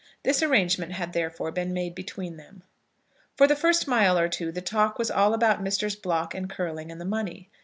This arrangement had, therefore, been made between them. For the first mile or two the talk was all about Messrs. Block and Curling and the money.